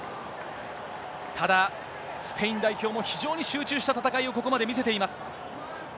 ただ、スペイン代表も非常に集中した戦いをここまで見せています。